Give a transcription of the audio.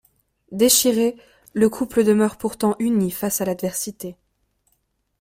Déchiré, le couple demeure pourtant uni face à l'adversité…